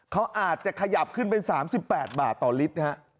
เขาอาจจะขยับขึ้นเป็น๓๘บาทต่อลิตรนะฮะ